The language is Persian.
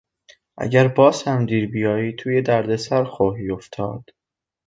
اگر باز هم دیر بیایی توی دردسر خواهی افتاد.